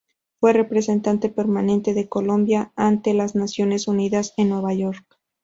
Fue Representante Permanente de Colombia ante las Naciones Unidas en Nueva York.